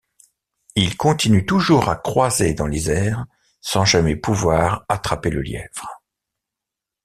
Il continue toujours à croiser dans les airs, sans jamais pouvoir attraper le lièvre.